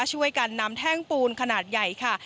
ช่วยกันนำแท่งปูนขนาดใหญ่ค่ะ